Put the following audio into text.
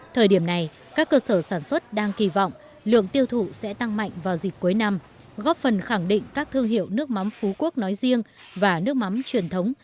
thời điểm này các cơ sở sản xuất đang kỳ vọng lượng tiêu thụ sẽ tăng mạnh vào dịp cuối năm góp phần khẳng định các thương hiệu nước mắm phú quốc nói riêng và nước mắm truyền thống